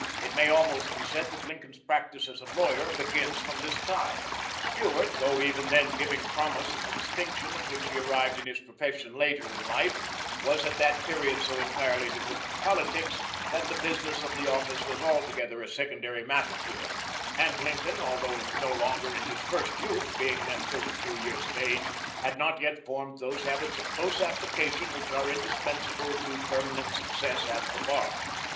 It may almost be said that Lincoln's practice as a lawyer begins from this time. Stuart, though even then giving promise of the distinction at which he arrived in his profession later in life, was at that period so entirely devoted to politics that the business of the office was altogether a secondary matter to him; and Lincoln, although no longer in his first youth, being then thirty two years of age, had not yet formed those habits of close application which are indispensable to permanent success at the bar.